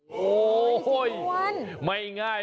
โห้ยศรีนวล